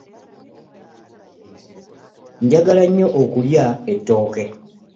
Njagala nyo okulya etooke.